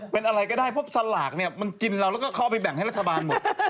เป็นอะไรก็ได้สลากเนี่ยมันกินเราแล้วเข้าไปแบ่งให้รัฐบาล